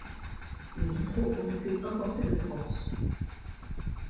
Les vitraux ont été importés de France.